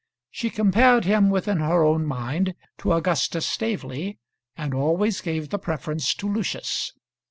She compared him within her own mind to Augustus Staveley, and always gave the preference to Lucius.